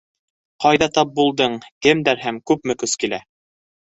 Ҡайҙа тап булдың, кемдәр һәм күпме көс килә?